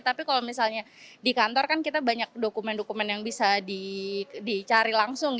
tapi kalau misalnya di kantor kan kita banyak dokumen dokumen yang bisa dicari langsung